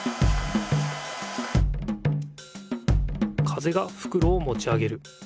風がふくろをもち上げる。